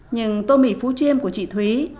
nhưng tô mì phú chiêm của chị thúy